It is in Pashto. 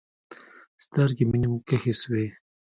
سترګې مې نيم کښې سوې.